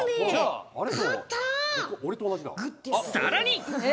さらに。